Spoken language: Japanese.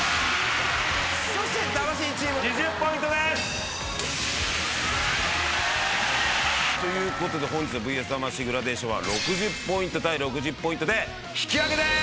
そして魂チーム２０ポイントです！ということで本日の『ＶＳ魂』グラデーションは６０ポイント対６０ポイントで引き分けです！